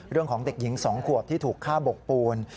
เรื่องของเด็กหญิง๒ขวบที่ถูกฆ่าบกปูน